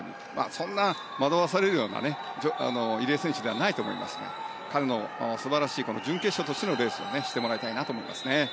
そんな惑わされるような入江選手ではないと思いますが彼の素晴らしい準決勝としてのレースをしてもらいたいなと思いますね。